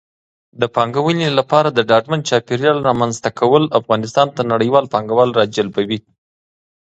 د پانګونې لپاره د ډاډمن چاپېریال رامنځته کول افغانستان ته نړیوال پانګوال راجلبوي.